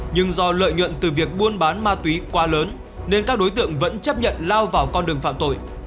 nhưng do lợi nhuận từ việc buôn bán ma túy quá lớn nên các đối tượng vẫn chấp nhận lao vào con đường phạm tội